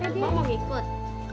bapak belu mau ngikut